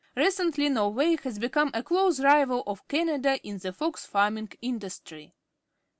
Recently Norway has become a close rival of Canada in the fox farming industry.